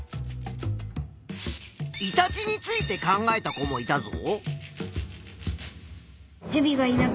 イタチについて考えた子もいたぞ。